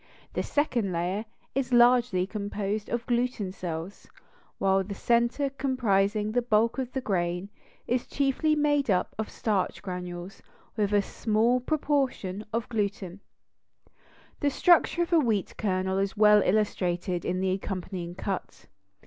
The second layer is largely composed of gluten cells; while the center comprising the bulk of the grain, is chiefly made up of starch granules with a small proportion of gluten. The structure of a wheat kernel is well illustrated in the accompanying cut.